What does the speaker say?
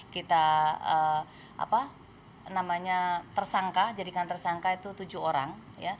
kita tersangka jadikan tersangka itu tujuh orang